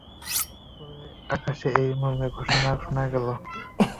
পরে আকাশ থেকে এ মর্মে ঘোষণা শোনা গেলঃ কায়ল!